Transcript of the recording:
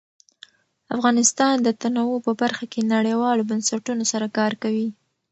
افغانستان د تنوع په برخه کې نړیوالو بنسټونو سره کار کوي.